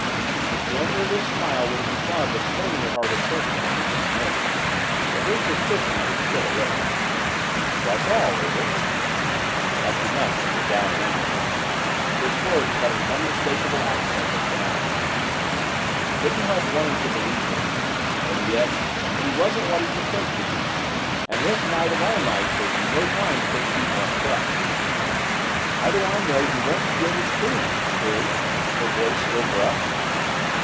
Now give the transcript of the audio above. The candor of his smile would have disarmed a stonier hearted person than Miss Cornelia. But her suspicions were still awake. "'That's all, is it?" "That's enough when you're down and out." His words had an unmistakable accent of finality. She couldn't help wanting to believe him, and yet, he wasn't what he had pretended to be and this night of all nights was no time to take people on trust! "How do I know you won't steal the spoons?" she queried, her voice still gruff.